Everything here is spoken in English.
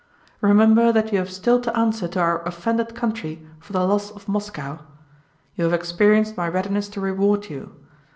Remember that you have still to answer to our offended country for the loss of Moscow. You have experienced my readiness to reward you.